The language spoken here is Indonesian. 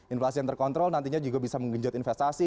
inflasi yang terkontrol nantinya juga bisa menggenjot investasi